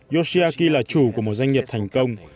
yoshiaki là chủ của một doanh nghiệp thành công